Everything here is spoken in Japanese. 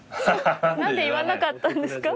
何で言わなかったんですか？